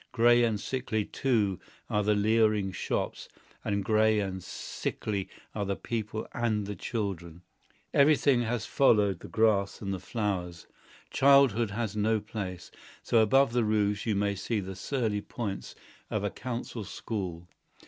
Gray and sickly, too, are the leering shops, and gray and sickly are the people and the children. Everything has followed the grass and the flowers. Childhood has no place; so above the roofs you may see the surly points of a Council School.